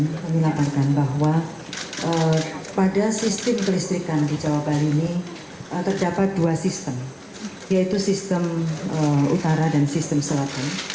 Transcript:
kami laporkan bahwa pada sistem kelistrikan di jawa bali ini terdapat dua sistem yaitu sistem utara dan sistem selatan